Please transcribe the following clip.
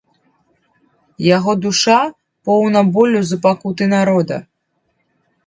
Яго душа поўна болю за пакуты народа.